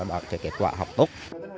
có thể kết quả học tốt